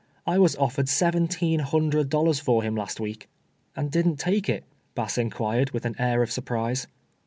I was ofiered seventeen hundred dollars for him last week." " And didn't take it ?" Bass inquired, with an air of surprise.